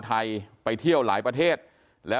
กลุ่มตัวเชียงใหม่